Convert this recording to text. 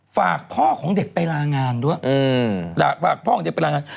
ฝากพ่อของเด็กไปลางานด้วยฝากพ่อของเด็กไปลางาน